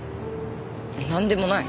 なんでもない。